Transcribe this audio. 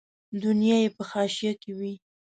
دنیا یې په حاشیه کې وي.